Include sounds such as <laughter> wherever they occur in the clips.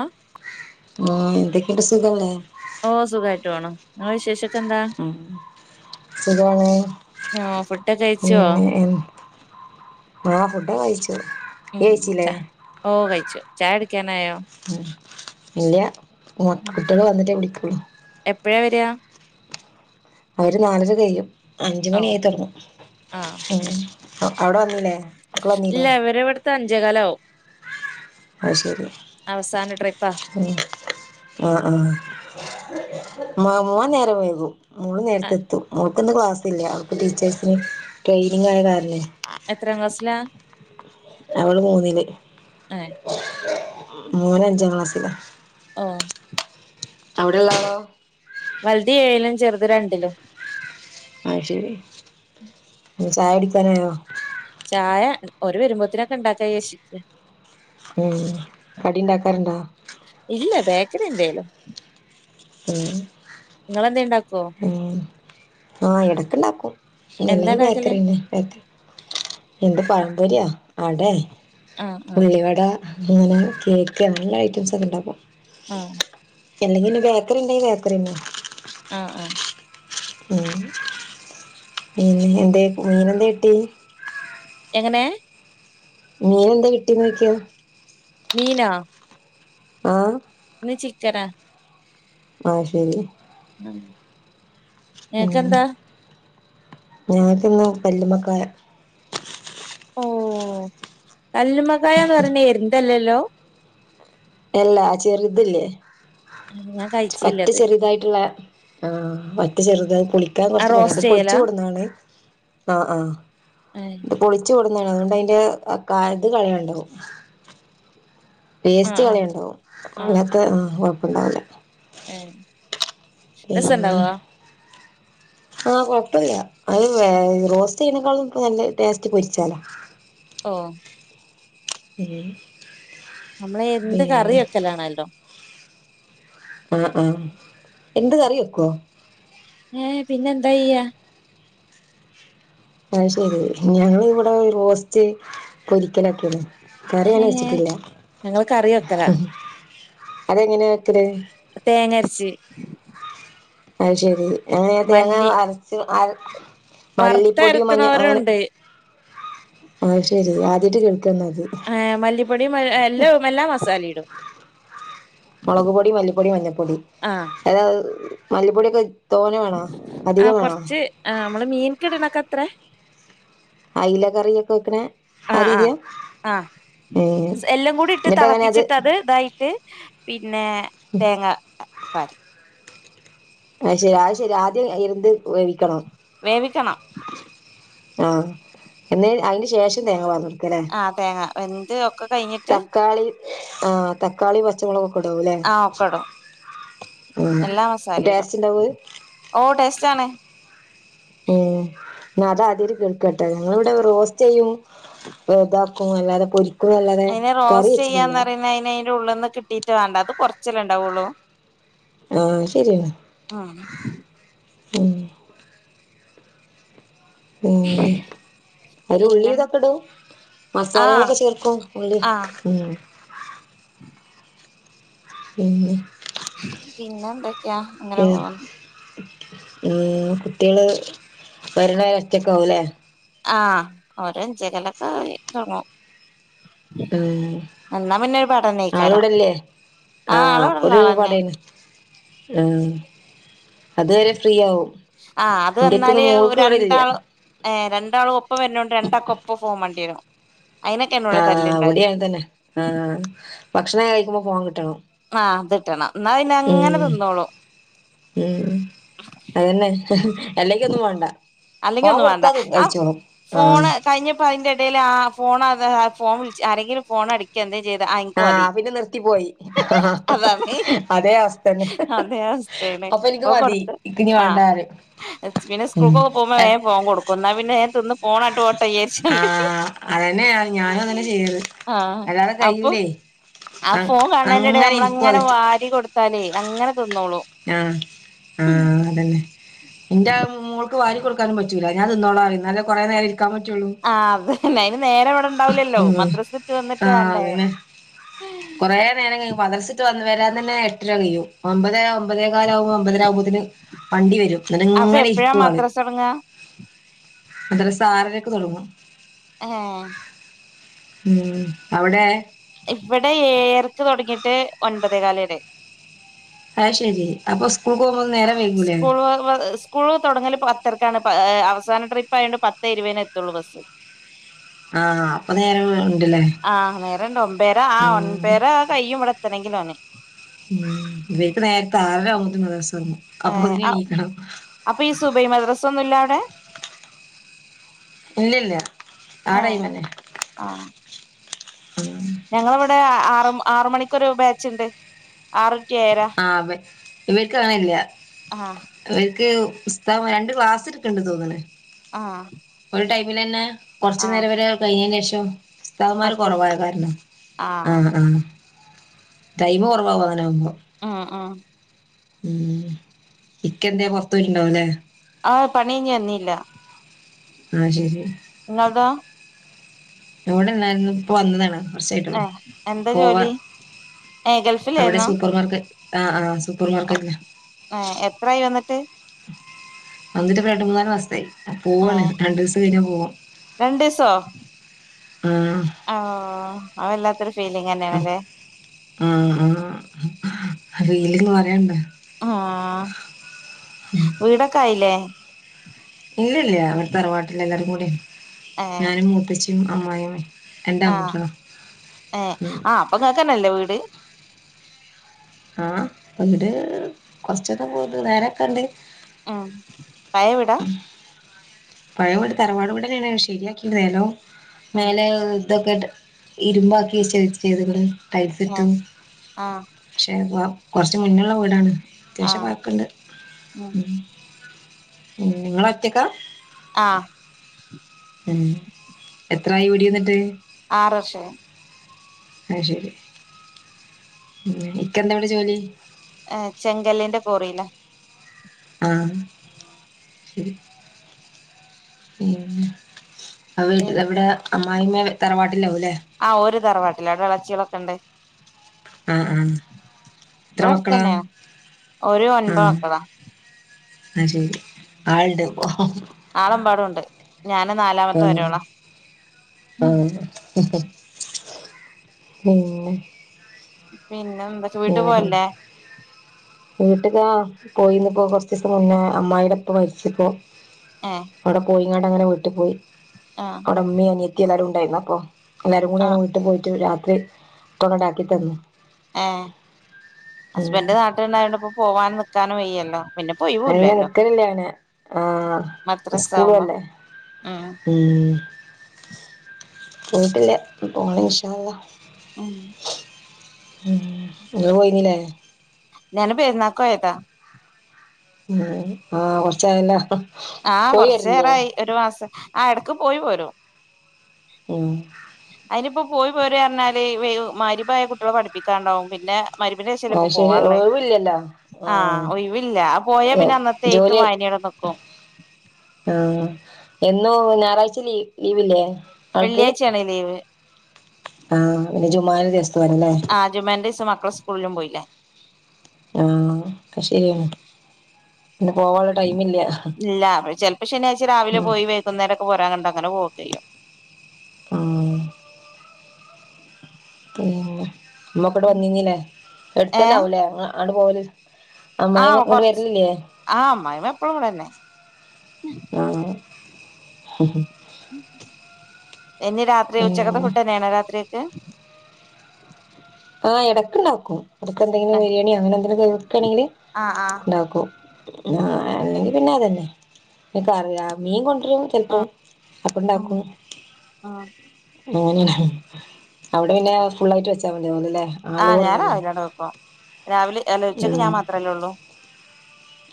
ഏ ആ എന്തൊക്കെയന്റെ സുഖല്ലേ ഓ സുഖമായിട്ട് വേണം വിശേഷം ഉം സഖണി ഓ ഫുഡൊക്കെ കഴിച്ചോ പിന്ന ആഹ ഫുഡ കഴിച്ചു ഉ ഇയ്യ് കഴിച്ചില്ലേ? ഓ കഴിച്ചു ചാടിക്കാനായോ ഇല്ല കുട്ടികള് വന്നിട്ടേ വിളിക്കുള്ളു എപ്പോഴേ വര അവര് നാലര കയ്യും അഞ്ച ഓ മണി ആയി തുടങ്ങും ആഹ് അവിടെ വന്നില്ലേ മക്കള് ഇല്ല വന്നില്ലേ? ഇവരെവിടുത്തെ അഞ്ചേ കാല ആവും അ ശരി ട്രിപ്പാ ഉ ആഹ ആഹ മ മോൻ നേരം വൈകു മോൾ നേരത്തെ ആഹ് എത്തു പന്ന് ക്ലാസ് ഇല്ല അവർക്ക് ടച്ചേഴ്സിന് ട്രെയിനിങ് ആയ കാരണേ എത്രയും ക്ലാസ്സില അവള് മൂന്നില് ഹ മൂന അഞ്ചാം ക്ലാസ്സില ആഹ അവിടെള്ളാവോ വലതി ഏഴിലും ചെറുത് രണ്ടിലോ അ ശരി ഉ സാഡ കോ ചായ ഒരു വരുമ്പോത്തിനൊക്കെ ഇണ്ടാക്കാ ചേേഷി ഉം കടിണ്ടാക്കാറുണ്ടാ ച എന്തല്ലോ ഉം നിങ്ങെന്ത ഇണ്ടാക്കോ ആഹ ഇടക്ക എന്താ ഇണ്ടാക്കുംല്ലെങ്കി ഉണ്ടാക്കല് ബേക്കറിന്നെ ബേക്കറി എന്ത് പറഴമ്പര്യാ അടെേ ആഹ് ആഹ് പുല്ലിവട അങ്ങനെ കേക്ക് അങ്ങനുള്ള ഐറ്റംസ് ഒക്കെ ഇണ്ടപ്പ ആഹ അല്ലെങ്കി ബേക്കറി ഉണ്ടെങ്ക ബേക്കറിന്ന് ആഹ ആഹ ഉം പിന്നെ എന്ത മീനെന്ത കട്ടി എങ്ങനെ മീന എന്താ കിട്ടീന്ന് നോക്കിയ മീന ആഹ ഇ ചിച്ചരാ ആ ശരി ഏക്ക എന്താ ഞൻക്കന്ന പല്ലുമക്ക ഓ കല്ല്മക്കായന്ന് പറഞ്ഞ എന്തല്ലല്ലോ അല്ലാ ചെറുതല്ലേ ഞാൻ പറ്റ കഴിച്ചില്ലത് ചെറുതായിട്ടുള്ള ആഹ മറ്റ ചെറുതത് കുളിക്കാൻ ആ കുറച്ച് പണ അത് റോസ്റ്റ് കുളിച്ചു ചെയ്യലാ കൊടുന്നതാണ് ആ ആഹ് ഇത് ആ പൊളിച്ചു കൊടുന്നതാണ് അതുകൊണ്ട് അതിറെ ഇത് കളുണ്ടാവും പേസ്റ്റ് ആ കളിയുണ്ടാവും അങ്ങത്തെ കൊഴപ്പുണ്ടാവല രസുണ്ടാവവാ ആഹ കൊഴപ്പമില്ല അത് റോസ്റ്റ് ചെയ്യതിനേക്കാളും ഇ നല്ല ടേസ്റ്റ് പൊരിച്ചാലോ ആഹ ഉം നമ്മള എന്ത് കറി വെക്കലാണല്ലോ ആഹ ആഹ എന്ത് കറി വെക്കുവ ഏ പിന്നെ എന്താ ചെയ്യ അഹ ശരി ഞങ്ങ ഇവിടെ റോസ്റ്റ് പൊരിക്കലൊക്കെയാണ് കറിങ്ങനെ ഏ വെച്ചിട്ടില്ല ഞങ്ങള് കറി വെക്കലാ അതെങ്ങനെ തേങ്ങർച്ചി അത് ശരി അങ്ങന തേങ്ങ അരച്ച് മല്ലിപ്പൊടിയും മഞ്ഞ അങ്ങനെ വറുത്തരക്കണോരുണ്ട് ശരി ആദ്യട്ട് കൾക്കന്നത് ഏ മല്ലിപ്പൊടി എല്ലാം എല്ലാ മസാലയും ഇടും മുളക് പൊടി മല്ലിപ്പൊടി മഞ്ഞപ്പൊടി ആ അഏത മല്ലിപ്പൊടിയൊക്കെ തോനെ വേണോ ആ അധികം വേണോ കൊറച്ച് ആ നമ്മള് മീൻ കെടണൊക്കെ എത്ര അയില കറൊക്കെ വെക്കണേ ആ രീതിയാ ആ ഏ എല്ലാം കൂടി ഇട്ട് എന്നിട്ട് അങ്ങനെ തിളപ്പിച്ചിട്ട് അത് ഇതായിട്ട് പിന്നെ തേങ്ങ പറ ആ ശരി അത് ശരി ആദ്യം ഇന്ത് വേവിക്കണം ആഹ എന്നേ അതിന് ശേഷം തേങ്ങ വന്നു ആഹ തേങ്ങ എന്ത് ഒക്കെ കഴിഞ്ഞിട്ട് തക്കാളി തക്കാളി പച്ചമള ആ ഒക്കെ ഇടും എല്ലാ ടല്ലേസ്ണ്ടാവ ച്ചണ അതാദ്യരു കിൾക്ക കേട്ടെ ഞങ്ങള ഇവിടെ റോസ്റ്റ് ചെയ്യും ഇതാക്കും അല്ലാതെ പൊ കുല്ലാതെ അതിന് കറി റോസ്റ്റ് വെച്ചിട്ടില്ല ചെയ്യാന്ന് പറയുന്ന അതിന് അതിന്റെ ഉള്ളിൽന്ന് കിട്ടിയിട്ട് വേണ്ട അത് കൊറച്ചല്ല ഉണ്ടാവുള്ളൂ ആഹ ശരിയെന്നാ ആഹ ഉ അവ ഉള്ളി പിന്നെ ഇതൊക്കെ ഇടും ആ മസാലകളൊക്കെ ചേർക്കും ഉള്ളി ആ ഉം പിന്നെ എന്തൊക്കെയാ അങ്ങനെ വേറെ പോകുന്നു ഉം കുട്ടികള് വരണ വരെ ഒറ്റക്ക ആവലേ ആ ഓരഞ്ചകലക്കെ ആയി തുടങ്ങും ഉ എന്നാ പിന്നെ ഒരു ആള് പടന്നേക്കാരം ഇവിടെല്ലേ ആ ആള് അപ്പൊ ഇവിടെള്ള ആളന്നെ ഒരുപടേന ആ അതുവരെ ഫ്രീയാവും ആ അത് വന്നാല് ഇല്ല രണ്ടാള് ഏ രണ്ടാളും ഒപ്പം വരണോണ്ട് രണ്ടാക്കെ ഒപ്പ ഫോൺ മാണ്ടി വരും അതിനൊക്കെ എന്നോട് ആ തല്ലുണ്ടാവുക അവിടെയാണ് തന്നെ ആ ഭക്ഷണം കഴിക്കുമ്പോ ഫോൺ കിട്ടണം ആ കിട്ടണം എന്നാ പിന്നെ അങ്ങനെ ഉം തിന്നോളു ഉം അതന്നെ അല്ലെങ്കി ഒന്നും വാണ്ട അല്ലെങ്കിൽ ഒന്നും വാണ്ട ആ ആഹ് ഫോണ് കഴിഞ്ഞപ്പോ അതിന്റെ ഇടൽ ആ ഫോൺ ഫോൺ വിളിച്ച് ആരെങ്കിലും ഫോൺ അടിക്കെ എന്തേ ചെയ്ത അത്ക്ക മതി ആഹ് പിന്നെ നിർത്തിപ്പോയി അതാ മെയിൻ അതേ അവസ്ഥന്നെ അതെ <unintelligible> അപ്പൊ എനിക്ക് ഇപ്പം മതി കൊടുത്തു ഇക്കിനി ആ വേണ്ടാറിയും പിന്നെ സ്കൂൾ ഉം ഒക്കെ പോകു പോകുമ്പോൾ വേഗം ഫോൺ കൊടുക്കും എന്ന പിന്നെ ഞാൻ പിന്നെ പോണപാട്ട് പോകട്ടെ വിചാരിച്ചണ്ട് അനെയ ഞാനും അങ്ങനെ ചെയ്ത് അല്ലാതെ അപ്പൊ കഴിയൂലേ ആ ഫോൺ കാണേന്റെടല് നമ്മള അങ്ങനെ വാരി കൊടുത്താലേ അങ്ങനെ തിന്നോളും ആ ആ അതന്നെ എന്റെ മോൾ ക്ക് വാരി കൊടുക്കാനും പറ്റൂല ഞൻ തിന്നോള ഇന്നലെ കുറ നേരം ഇരി ആ അത്ന്നെ അയിന് നേരെ ഇവിടെ ഇണ്ടാവില്ലല്ലോ ഉം മദ്രസ ഇട്ട വന്നിട്ട് വണ്ടേ കുറേ നേരം കഴിയും മദ്രസ വിട്ട് വരാൻ തന്നെ എട്ടര കയ്യും ഒമ്പത് ഒമ്പതേ കാലാവകുമ്പോൾ ഒമ്പതര ആകുമ്പോതിന് വണ്ടി വരും എന്നട്ട് അപ്പൊ ഇങ്ങനെ എപ്പഴാ ഇരിക്കുവള് മദ്രസ തൊടങ്ങാ മദസ ആറരക്ക്തുടങ്ങും ഹേ ഉം അവിടെ ഇവിടെ ഏഴർക്ക് തുടങ്ങിട്ട് ഒൻപതേ കാല് വരെ ആയ് ശരി അപ്പസ്കൂൾ സ്കൂൾ സ്കൂൾ തുടങ്ങൽ പത്ത് ർക്കാണ് അവസാന ട്രിപ്പ് ആയൊണ്ട് പത്തേ ഇരുപതിനെ എത്തുള്ളൂ ബസ് ആഹ് അപ്പൊ നേരം ഉണ്ടല്ലേ ആ നേരണ്ട് ഒൻപേരാ ആ ആഹ് ഉം ഒൻപേരാ കയ്യും ഇവടെത്തണെ ങ്കിൽ ഓന് ഉ ഇവർക്ക്‌ നേരത്തെ ആറരയാകുമ്പത്തേക്കും മദ്ര ഏഹ് അപ്പൊതിന് എണീക്കണം അപ്പൊ ഈ സുബൈ മദ്രസ ഒന്നുല്ല അവിടെ ഇല്ല ഇല്ല ആ ഏഹ് ടൈമന്നെ ഞങ്ങളവിടെ ആറ ആറ മണിക്കൊരു ബാച്ച് ഉണ്ട് ആറ് ടു ഏഴര ആ ഇവർക്ക് അങ്ങനെയില്ല ആഹ് ഇവർ ഇവർക്ക് ഉസ്താതന്മാര് രണ്ട് ക്ലാസ്ടുക്കണ്ട് തോന്നണ് ആഹ് ടൈമിൽ തന്നെ കുറച്ചു ആഹ് നേരം വരെ കഴിഞ്ഞതിന് ശേഷം മറ്റേ ഉസ്തതന്മാര്കൊറവായ കാരണം ആ ആഹ് ആ ടൈമ കുറവക അങ്ങനെ ആകുബം ആ ആ ഉം ഇക്കെന്ത പുറത്ത് പോയിട്ടുണ്ടാവൂ ല്ലേ ആഹ പണി കഴിഞ്ഞ് വന്നില്ല ആ ശരി ഇങ്ങള്തോ ഇവിടെല്ലായിരുന്നു ഇപ്പ വന്നതാണ് കൂർച്ചയായിട്ടള്ളൂ ഏഹ് എന്താ പോവാ ജോലി ഏഹ് അവിടെ ഗൾഫിലായിരുന്നോ സൂപ്പർമാർക്കറ്റ് ആ ആ സൂപ്പർ മാർക്കറ്റ് ഏഹ് എത്രായി വന്നിട്ട് വന്നിട്ട് രണ്ട് മൂന്നല് മാസയി പോവാണ് ഏഹ് രണ്ടു ദിവസ കഴിഞ്ഞാ പോവും ആഹ് ആഹ അവ എല്ലാത്ത ആ ആ ആ വീലന്ന് പറയണ്ട ആഹ വീടൊക്കെ ആയില്ലേ ഇല്ലല്ല അവർ തറവാട്ടില്ല എല്ലാരും കൂടെ ഞാനും മൂത്തച്ഛും അമ്മായും ആഹ ഏ ആഹ അപ്പൊ കേക്കന്നല്ലോ വീട് ആഹ്ട് കൊറച്ചന്ന പോുന്നു നേരൊക്കെണ്ട് ഉം പയവിടാ പഴയ വീട് തറവാട്ട തന്നെയണ ശരിയാക്കിരുന്നല്ലോ ഉം മലെ ഇതൊക്കെ ഇരുമ്പക്കി ചെയ്തണ്ട് ഏഹ് ൈഫത്തും ആഹ് പക്ഷെ കുറച്ച് മുന്നുള്ള വീടാണ് അത്യാവശ്യം ആഹ് വക്കണ്ട് ഉം ഉ നിങ്ങ ഒറ്റക്കാ ആഹ ഉം എത്രായി വീടി വന്നിട്ട് ആറഷേ ആഹ ശരി ഉ ഇക്കെന്താവിടെ ജോലി ചെങ്കല്ലിന്റെ കോറില്ലേ ആഹ ശരി അട്ട പിന്നെ ഇവിടെ അമ്മായിമ്മ തറവാട്ട ആഹ് ഒരു തറവാട്ടില്ല അവിടെ ഇളച്ചികളൊക്കെ ഉണ്ട് ആഹ ആ എത്ര ഇവിടെ മക്കളാ അടുത്തന്നെയാ ഓര് ഉ ഒൻപത് മക്കളാ അ ശെ ആൾട് നാളെമ്പാടു ഉണ്ട് ഞാന് നാലാമത്തെ വരോളാ ആഹ പിന്നെ പിന്നെ എന്താച്ച വീട്ടു പോയല്ലേ വീട്ടക്കാ പോയിന്ന്പ്പോ കൊറച്ച ദിവസം മുന്നേ അമ്മായിയുടെപ്പ മരിച്ചിപ്പോ ഏഹ് അവിടെ പോയിങ്ങാട് അങ്ങനെ വീട്ടിൽ പോയി ആഹ് അവിടെ അമ്മീ അനിയ എത്തിയ എല്ലാവരും ഉണ്ടായിരുന്നു അപ്പൊ നര കൂടിെ ആഹ് വീട്ടു പോയിട്ട് രാത്രി കൊണടാക്കി തന്നു ഏ ഉം ഹസ്ബൻഡ് നാട്ടിലുണ്ടായുകണ്ട് ഇപ്പോ പോവാനും നക്കാനും വയ്യല്ലോ പിന്നെ നല്ല പോയിവൂല്ലല്ലോ നിക്കലല്ലാണ് ആഹ മദ്രസ സ്കൂള ആവുമ്പോ അല്ലേ ഉം ഉം വീട്ടില്ലേ പോണ വിഷല്ല ഉം ഇ പോയിനില്ലേ ഞൻ പേരുന്നക്കോ ഏതാ ഉ ആഹ കൊറച്ചായല്ല ആഹ കൊറച്ചു നേേരായി ഒരു മാസം ആ എടക്ക് പോയി പോരോ ഓ അതിനിപ്പോ പോയി പോര പറഞ്ഞാല് മാരിയഭായ കുട്ടികളെ പഠിപ്പിക്കാണ്ടാവും പിന്നെ മരുമിനേശേയില ഇപ്പോ ആഹ് ശരി പോവുള്ളേ ഒഴിവില്ലല്ലോ ആഹ് ഒയവില്ല ആ പോയാ പിന്നെ അന്നത്തെ എഴത്ത് വായനയുടെ ക്ക ആഹ എന്നും ഞായറാഴ്ച ല ലീവില്ലേ ആൾക്ക് വെള്ളിയാഴ്ച അണയിലേവ് ആഹ് പിന്നെ ജുമാന്റെ ദിവസത്തല്ലേ ആ ജുമാൻറൈസും മക്കളെ സ്കൂളിലും പോയില്ലേ ആഹ ശരിയാണ് പിന്നെ പോവാനുള്ള ടൈമില്ല ഇല്ല ചിലപ്പോ ശനിയാഴ്ച രാവിലെ ഉം പോയി വെക്കുന്നേരൊക്കെ പോരാ കണ്ട അങ്ങനെ പോക ചെയ്യാം ആ പി അമ്മൊക്കോട്ട് വന്നല്ലേ എടുത്തന്നെ ആാവലേ അ പോല ആ കൊറച്ച് ആഹ് മ എപ്പഴും കൂടെ തന്നെ ആഹ് ഇനി രാത്രി ഉച്ചക്കത്തെ പിന്നെ ഫുഡ് ന്നെയണോ രാത്രിക്ക് ആഹ് എടക്ക്ണ്ടാക്കും അതക്കെന്തെങ്കിലും ബിരിയാണി അങ്ങനെ എന്തെങ്കിലും കേക്കയാണെങ്കി ആഹ് ആഹ് ഉണ്ടാക്കോ ആഹ് അല്ലെങ്കി പിന്നെ അതന്നെ എൻക്ക് അറിയ മീൻ കൊ <unintelligible> ചെലപ്പോ ഉം അപ്പണ്ടാക്കും ഉം അങ്ങനെയ അവിടെ പിന്നെ ഫുള്ളായിട്ട് വെച്ചാ മതിയാഊലല്ലേ ആഹ് ഞാൻ രാവിലെണ്ട് വെക്കു രാവിലെ എല ഉച്ചയ്ക്ക് ഉം ഞാൻ മാത്രല്ലേ ഉള്ളൂ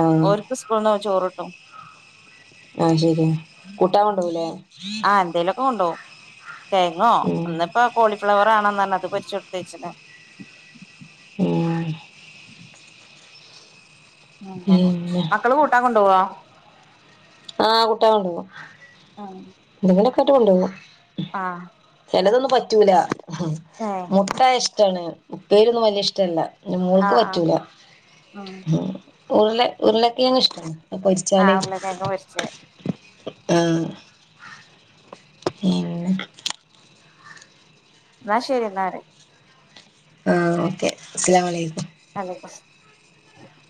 ആഹ് ഓര്ക്ക് സ്കൂൾന്ന് ചോറ് കിട്ടും ആഹ് ശരിയാ കൂട്ടാൻ കൊണ്ടോവൂലേ ആഹ് എന്തേലൊക്കെ കൊണ്ടോഉ കെയങ്ങോ ഉം ന്നിപ്പോ കോളിഫ്ലവർ ആണം ന്നർഞ അത് പൊരിചൊടുത്തേച്ന് <unintelligible> അങ്ങനെ പിന്നെ മക്കള് കൂട്ടാൻ കൊണ്ടോവോ? ആഹ് കുട്ടാൻ കൊണ്ടോവും ഉം എന്തെങ്കിലൊക്കാറ്റ് കൊണ്ടോവും. ആഹ് ചെലതൊന്നും പറ്റൂല ഏഹ് മുട്ട ഇഷ്ടാണ് ഉപ്പേരിന്നും വലിയ ഇഷ്ടല്ല. എഹ് മോൾക്ക് ആഹ് ആഹ് പറ്റൂല. ഉം ഉരുളെ ഉരുളക്കഴങ് ഇഷ്ട അഹ് പോരിച്ചാല് ചെ <unintelligible> ആഹ് പിന്നെ ന്നാ ശരി ന്നാല് ആ ഓക്കെ അസ്സലാമലേക്കും മാലേക്കും <unintelligible>